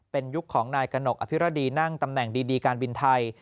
เป็นยุคของนายกระหนกอภิรดีนั่งตำแหน่งดีการบินไทย